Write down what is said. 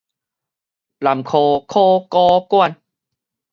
南科考古館